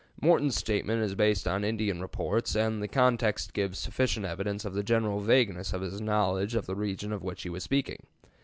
Morton's statement is based on Indian reports, and the context gives sufficient evidence of the general vagueness of his knowledge of the region of which he was speaking.